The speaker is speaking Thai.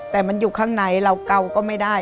แต่มันอยู่ข้างในเราเกาก็ไม่ได้